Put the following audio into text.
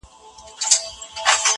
چيري که خوړلی د غلیم پر کور نمګ وي یار،